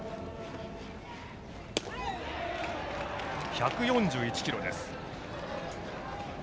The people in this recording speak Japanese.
１４１キロです。